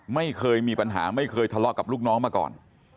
ไม่เคยมีปัญหาไม่เคยทะเลาะกับลูกน้องมาก่อน